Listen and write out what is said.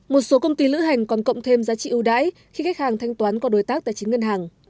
một số công ty lữ hành còn cộng thêm giá trị ưu đãi khi khách hàng thanh toán qua đối tác tài chính ngân hàng